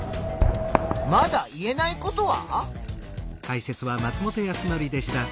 まだ言えないことは？